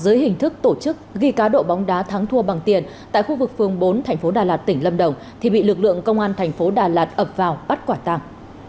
đối với hình thức tổ chức ghi cá độ bóng đá thắng thua bằng tiền tại khu vực phương bốn tp đà lạt tỉnh lâm đồng thì bị lực lượng công an tp đà lạt ập vào bắt quả tàng